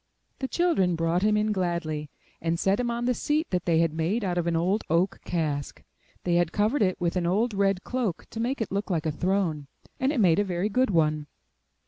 The children brought him in gladly, and set him on the seat that they had made out of an old cask. They had covered it with an old red cloak to make it look like a throne, and it made a very good one.